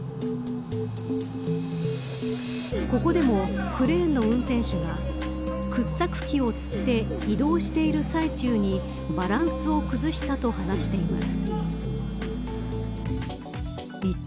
ここでも、クレーンの運転手が掘削機をつって移動している最中にバランスを崩したと話しています。